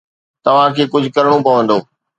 توهان کي ڪجهه ڪرڻو پوندو.